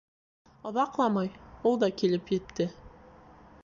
Оҙаҡламай ул да килеп етте.